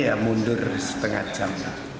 ya mundur setengah jam